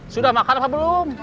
sudah makan apa belum